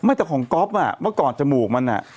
แต่ของก๊อฟอ่ะเมื่อก่อนจมูกมันอ่ะ